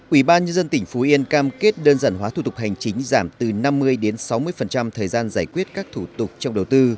ubnd tỉnh phú yên cam kết đơn giản hóa thủ tục hành chính giảm từ năm mươi đến sáu mươi thời gian giải quyết các thủ tục trong đầu tư